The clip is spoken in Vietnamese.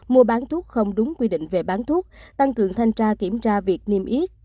mua bán thuốc không đúng quy định về bán thuốc tăng cường thanh tra kiểm tra việc niêm yết